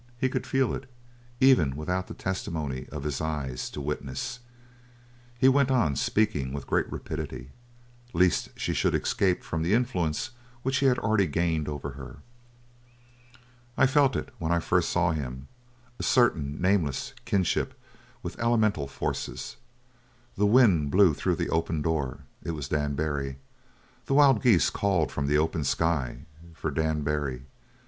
He could feel it, even without the testimony of his eyes to witness. He went on, speaking with great rapidity, lest she should escape from the influence which he had already gained over her. "I felt it when I first saw him a certain nameless kinship with elemental forces. The wind blew through the open door it was Dan Barry. The wild geese called from the open sky for Dan Barry.